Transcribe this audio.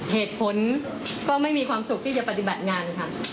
เหตุผลก็ไม่มีความสุขที่จะปฏิบัติงานค่ะ